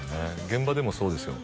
現場でもそうですよ